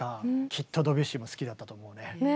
きっとドビュッシーも好きだったと思うね。